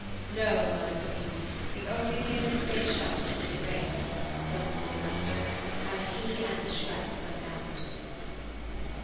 "No, Mother Ponisse, we only came in to take shelter from the rain," said the Schoolmaster, as he and the Chouette went out.